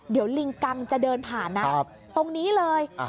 เดี๋ยวลิงกังจะเดินผ่านนะตรงนี้เลย